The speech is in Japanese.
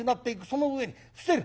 その上に伏せる。